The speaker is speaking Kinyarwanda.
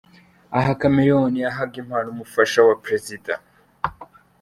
Aha Chameleone yahaga impano umufasha wa Perezida.